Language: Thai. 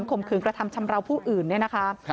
ข่มขืนกระทำชำราวผู้อื่นเนี่ยนะคะ